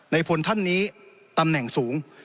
พลท่านนี้ตำแหน่งสูง